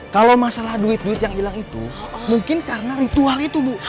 kalau masalah duit duit yang hilang itu mungkin karena ritual itu bu